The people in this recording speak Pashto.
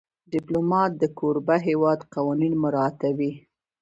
ډيپلومات د کوربه هېواد قوانین مراعاتوي.